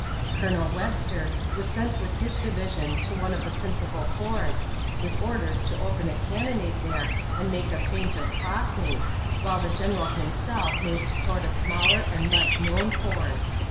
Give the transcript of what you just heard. Colonel Webster was sent with his division to one of the principal fords, with orders to open a cannonade there and make a feint of crossing, while the general himself moved toward a smaller and less known ford.